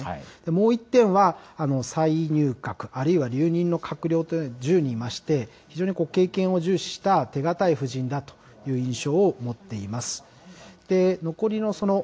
もう１点は、再入閣、あるいは留任の閣僚というのが１０人いまして、非常に経験を重視した手堅い布陣だという印象を持っています。